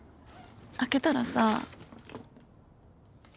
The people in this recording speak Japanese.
開けたらさ。